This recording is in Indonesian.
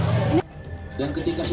tentang uang biar ketawa